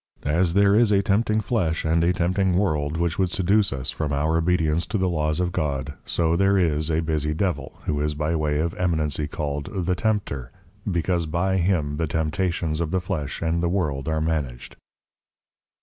_ As there is a Tempting Flesh, and a Tempting World, which would seduce us from Our Obedience to the Laws of God, so there is a Busy Devil, who is by way of Eminency called, The Tempter; because by him, the Temptations of the Flesh and the World are managed.